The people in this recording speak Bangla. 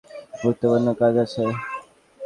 জিন, জিন, দ্রুত ঘরে ফেরো, গুরুত্বপূর্ণ কাজ আছে।